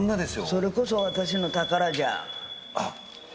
それこそ私の宝じゃ。